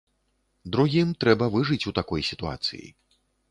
Другім трэба выжыць у такой сітуацыі.